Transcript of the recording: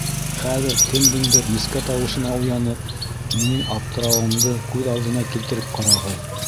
Хәҙер кемдеңдер нескә тауышына уянып, минең аптырауымды күҙ алдына килтереп ҡарағыҙ.